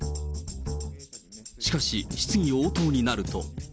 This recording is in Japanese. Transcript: しかし、質疑応答になると。